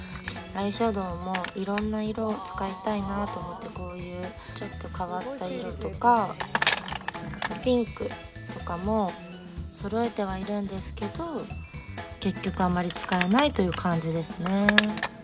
アイシャドーもいろんな色使いたいなと思ってこういうちょっと変わった色とかピンクとかもそろえてはいるんですけど結局、あまり使えないという感じですね。